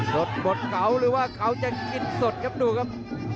สดบดเขาหรือว่าเขาจะกินสดครับดูครับ